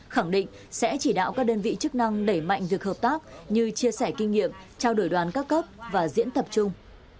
khẳng định sẽ chỉ đạo các đơn vị chức năng đẩy mạnh việc hợp tác như chia sẻ kinh nghiệm trao đổi đoàn các cấp và diễn tập chung